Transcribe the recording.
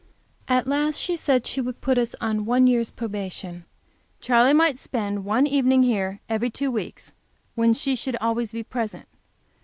At last she said she would put us on one year's probation. Charley might spend one evening here every two weeks, when she should always be present.